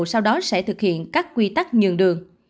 sau đó sẽ thực hiện các quy tắc nhường đường